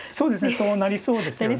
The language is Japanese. そうなりそうですよね。